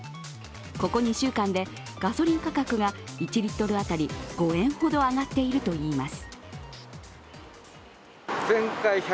ここ２週間でガソリン価格が１リットル当たり５円ほど上がっているといいます。